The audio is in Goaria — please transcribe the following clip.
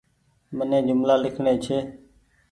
مني جملآ لکڻي ڇي